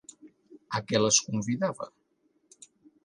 A què les convidava?